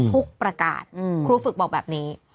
ประกาศครูฝึกบอกแบบนี้